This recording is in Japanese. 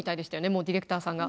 もうディレクターさんが。